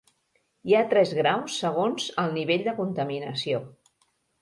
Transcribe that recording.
Hi ha tres graus segons el nivell de contaminació.